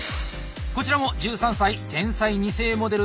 こちらも１３歳「天才二世モデル」